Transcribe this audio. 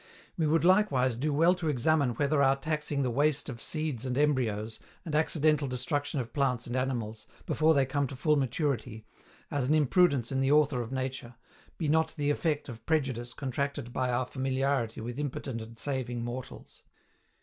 We would likewise do well to examine whether our taxing the waste of seeds and embryos, and accidental destruction of plants and animals, before they come to full maturity, as an imprudence in the Author of nature, be not the effect of prejudice contracted by our familiarity with impotent and saving mortals.